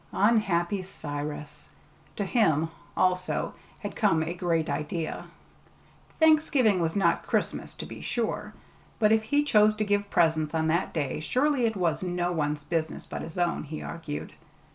Unhappy Cyrus! To him, also, had come a great idea. Thanksgiving was not Christmas, to be sure, but if he chose to give presents on that day, surely it was no one's business but his own, he argued.